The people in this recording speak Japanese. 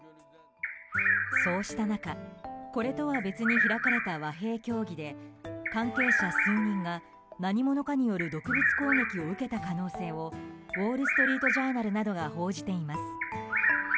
そうした中これとは別に開かれた和平協議で関係者数人が何者かによる毒物攻撃を受けた可能性をウォール・ストリート・ジャーナルなどが報じています。